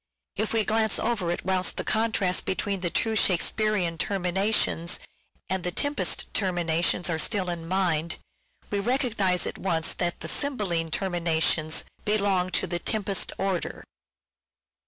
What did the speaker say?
If we glance over it whilst the contrast between the true Shakespearean termina tions and " The Tempest " terminations are still in mind, we recognize at once that the " Cymbeline " terminations belong to the " Tempest " order.